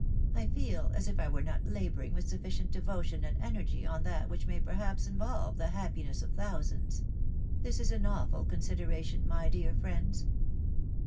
I feel as if I were not labouring with sufficient devotion and energy on that which may perhaps involve the happiness of thousands. This is an awful consideration, my dear friends